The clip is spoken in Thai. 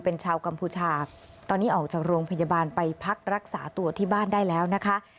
เป็นชาวกัมพูชาตอนนี้ออกจากโรงพยาบาลไปพักรักษาตัวที่บ้านได้แล้วนะคะ